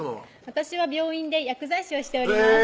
私は病院で薬剤師をしております